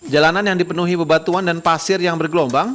jalanan yang dipenuhi bebatuan dan pasir yang bergelombang